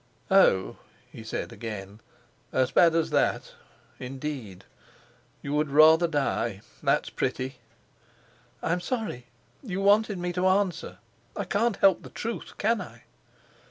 "Oh!" he said again, "as bad as that? Indeed! You would rather die. That's pretty!" "I am sorry. You wanted me to answer. I can't help the truth, can I?"